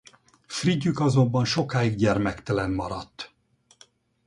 Frigyük azonban sokáig gyermektelen maradt.